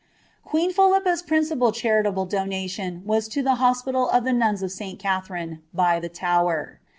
Qpeen Philippa's principal charitable donation was to the llospital of the Nuns of Sl Katherine, by the Tower.